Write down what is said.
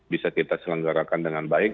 bisa kita selenggarakan dengan baik